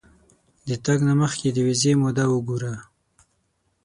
د تګ نه مخکې د ویزې موده وګوره.